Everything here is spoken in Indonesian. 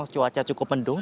cuaca cukup mendung